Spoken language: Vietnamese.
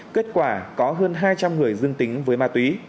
kết quả có hơn hai trăm linh người dương tính với ma túy